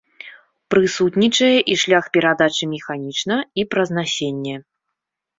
Прысутнічае і шлях перадачы механічна і праз насенне.